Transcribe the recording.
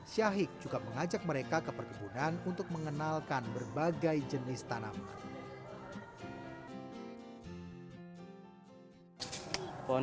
syahik juga mengajak mereka ke perkebunan untuk mengenalkan berbagai jenis tanaman